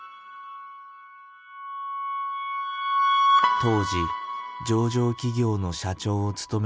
当時上場企業の社長を務めていた父は辞任。